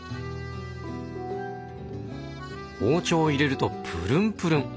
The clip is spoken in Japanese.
包丁を入れるとプルンプルン！